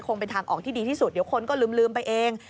คงเป็นทางออกที่ดีที่สุดเดี๋ยวคนก็ลืมไปเอง